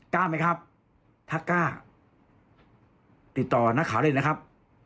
กล้าไหมครับถ้ากล้าติดต่อนักข่าวได้นะครับ